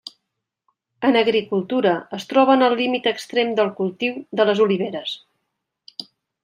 En agricultura es troba en el límit extrem del cultiu de les oliveres.